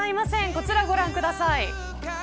こちらをご覧ください。